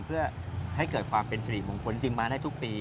เพื่อให้เกิดความเป็นสิริมงคลจึงมาได้ทุกปี